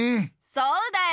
そうだよ